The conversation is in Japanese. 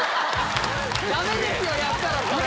ダメですよやったら！